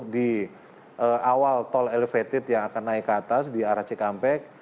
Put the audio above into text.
di awal tol elevated yang akan naik ke atas di arah cikampek